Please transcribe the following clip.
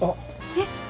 えっ。